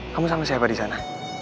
kamu sama siapa di sana